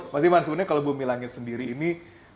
mas iman sebenarnya kalau bumi langit sendiri ini